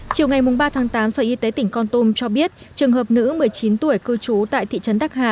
chiều ngày ba tháng tám sở y tế tỉnh con tum cho biết trường hợp nữ một mươi chín tuổi cư trú tại thị trấn đắc hà